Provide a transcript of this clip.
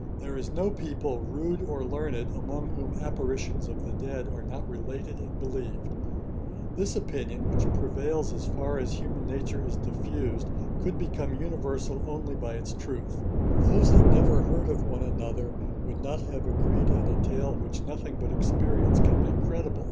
There is no people, rude or learned, among whom apparitions of the dead are not related and believed. This opinion, which prevails as far as human nature is diffused, could become universal only by its truth; those that never heard of one another, would not have agreed in a tale which nothing but experience can make credible.